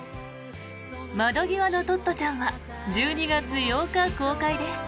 「窓ぎわのトットちゃん」は１２月８日公開です。